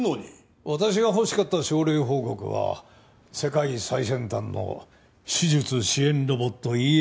私が欲しかった症例報告は世界最先端の手術支援ロボット